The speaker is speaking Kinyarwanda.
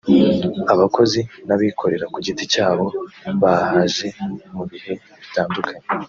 abakozi n’abikorera ku giti cyabo bahaje mu bihe bitandukanye